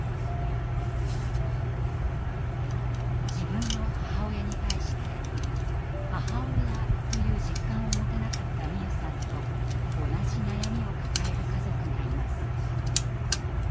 自分の母親に対して「母親」という実感を持てなかった美夢さんと同じ悩みを抱える家族がいます。